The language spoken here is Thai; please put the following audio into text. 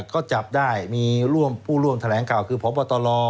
ก็จับได้มีร่วมผู้ร่วมแถลงข่าวคือพบตร